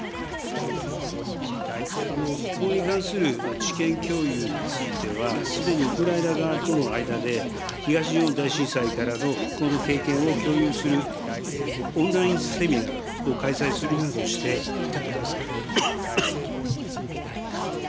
復興に関する知見共有については、すでにウクライナ側との間で、東日本大震災からの復興の経験を共有するオンラインセミナーを開催するなどしてきておりますが。